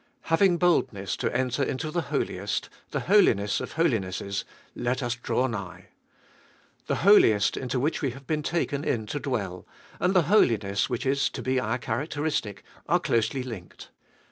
Having boldness to enter into the Holiest— the Holiness of Holinesses — let us draw nigh. The Holiest into which we have been taken in to dwell, and the holiness which is to be our characteristic, are closely linked.